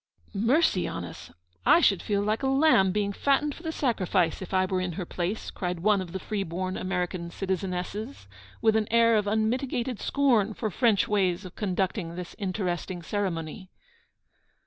'Mercy on us! I should feel like a lamb being fattened for the sacrifice if I were in her place,' cried one of the freeborn American citizenesses, with an air of unmitigated scorn for French ways of conducting this interesting ceremony.